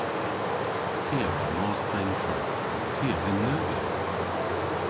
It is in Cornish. Ty a wra mos dhe'n treth. Ty a vynn neuvya.